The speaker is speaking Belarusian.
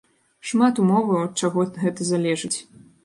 Шмат умоваў, ад чаго гэта залежыць.